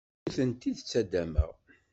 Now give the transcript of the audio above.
Ur tent-id-ttaddameɣ.